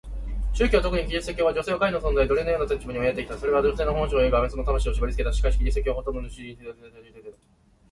宗教、特にキリスト教は、女性を下位の存在、奴隷のような立場に追いやってきた。それは女性の本性を歪め、その魂を縛りつけた。しかしキリスト教ほど女性に支持され、熱心に信仰されてきたものはない。